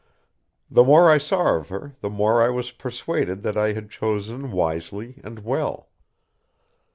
The more I saw of her the more I was persuaded that I had chosen wisely and well.